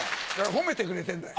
褒めてくれてんだよ。